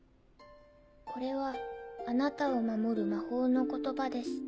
「これはあなたを守る魔法の言葉です。